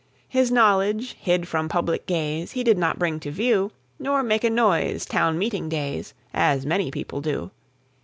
His knowledge, hid from public gaze, He did not bring to view, Nor make a noise town meeting days, As many people do.